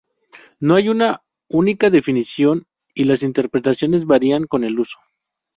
No hay una única definición y las interpretaciones varían con el uso.